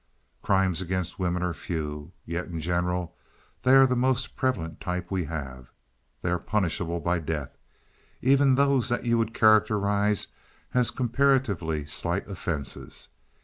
"Crimes against women are few, yet in general they are the most prevalent type we have. They are punishable by death even those that you would characterize as comparatively slight offenses.